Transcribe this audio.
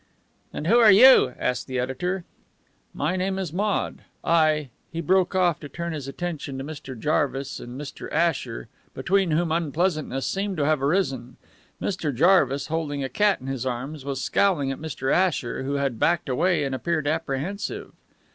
"And who are you?" asked the editor. "My name is Maude. I " He broke off, to turn his attention to Mr. Jarvis and Mr. Asher, between whom unpleasantness seemed to have arisen. Mr. Jarvis, holding a cat in his arms, was scowling at Mr. Asher, who had backed away and appeared apprehensive.